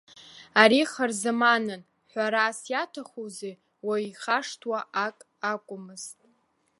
Ари хырзаманын, ҳәарас иаҭахузеи, уаҩ ихашҭуа ак акәмызт.